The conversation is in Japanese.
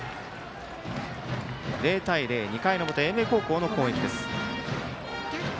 ０対０、２回の表英明高校の攻撃です。